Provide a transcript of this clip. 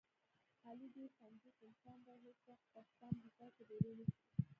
علي ډېر کنجوس انسان دی، هېڅ وخت په سم هوټل کې ډوډۍ نه خوري.